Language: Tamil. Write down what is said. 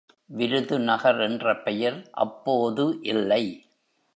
விருதுநகர் என்ற பெயர் அப்போது இல்லை.